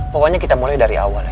pokoknya kita mulai dari awal ya